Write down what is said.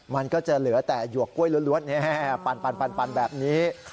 มันก็จะเหลือแต่หยวกกล้วยล้วนปันแบบนี้